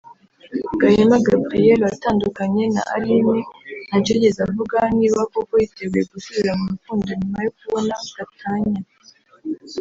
Gahima Gabriel watandukanye na Aline ntacyo yigeze avuga niba koko yiteguye gusubira mu rukundo nyuma yo kubona gatanya